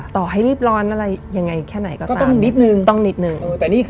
ต่อให้รึบร้อนอะไรยังไงไกลก็ต้องนิดนึง